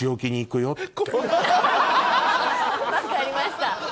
分かりました。